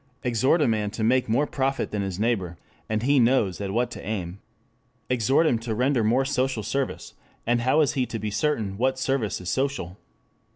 Exhort a man to make more profit than his neighbor, and he knows at what to aim. Exhort him to render more social service, and how is he to be certain what service is social?